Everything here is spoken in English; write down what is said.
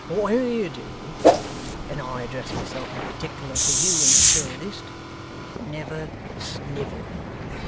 Whatever you do (and I address myself in particular, to you in the furthest), never snivel.